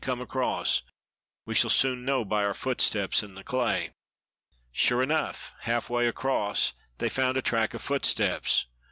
"Come across. We shall soon know by our footsteps in the clay." Sure enough, half way across they found a track of footsteps.